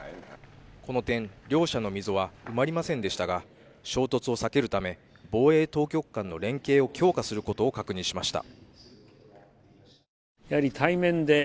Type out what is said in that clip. この点、両者の溝は埋まりませんでしたが、衝突を避けるため防衛当局間の連携を強化することを確認しました。